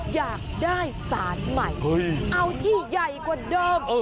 อยากได้สารใหม่เอาที่ใหญ่กว่าเดิม